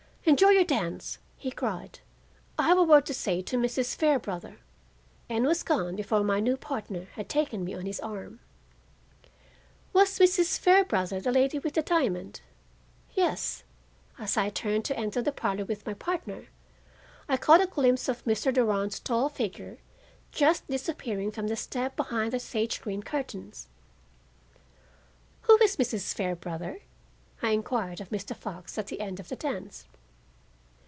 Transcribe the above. "Enjoy your dance," he cried; "I have a word to say to Mrs. Fairbrother," and was gone before my new partner had taken me on his arm. Was Mrs. Fairbrother the lady with the diamond? Yes; as I turned to enter the parlor with my partner, I caught a glimpse of Mr. Durand's tall figure just disappearing from the step behind the sage green curtains. "Who is Mrs. Fairbrother?" I inquired of Mr. Fox at the end of the dance.